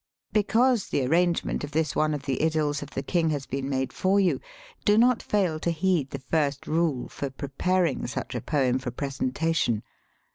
Because the arrangement of this one of the "Idylls of the King" has been made for you, do not fail to heed the first rule for pre paring such a poem for presentation.